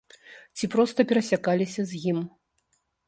Ці проста перасякаліся з ім.